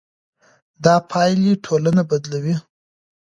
دا پايلې ټولنه بدلوي.